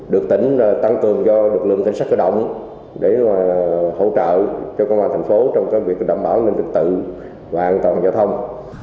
được tỉnh tăng cường cho lực lượng cảnh sát cơ động để hỗ trợ cho công an tp trong việc đảm bảo lực lượng tự và an toàn giao thông